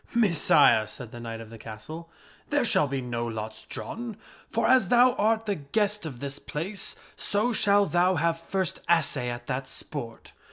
" Messire," said the knight of the castle, " there shall be no lots drawn. For, as thou art the guest of this place, so shall thou have first assay at that sport."